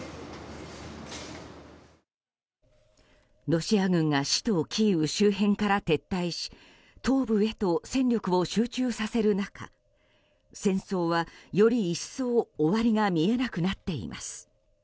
ロシア軍が首都キーウ周辺から撤退し東部へと戦力を集中させる中戦争は、より一層終わりが見えなくなっています。